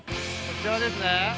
こちらですね。